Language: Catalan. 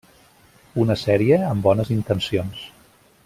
Una sèrie amb bones intencions.